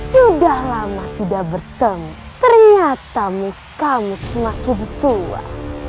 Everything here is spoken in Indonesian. sudah lama tidak bertemu ternyata kamu semakin tua